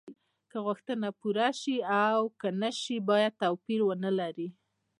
که غوښتنه پوره شي او که نشي باید توپیر ونلري.